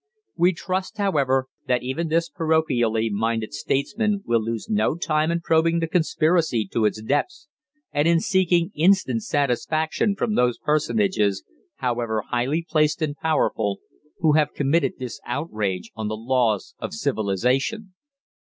We trust, however, that even this parochially minded statesman will lose no time in probing the conspiracy to its depths, and in seeking instant satisfaction from those personages, however highly placed and powerful, who have committed this outrage on the laws of civilisation.